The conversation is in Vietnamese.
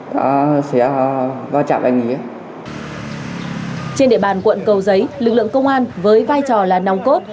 trên địa bàn quận cầu giấy lực lượng công an với vai trò là nòng cốt